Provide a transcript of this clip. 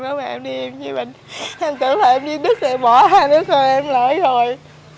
nếu mà em đi em chơi bệnh em tưởng là em đi đức sẽ bỏ hai nước thôi em lỡ rồi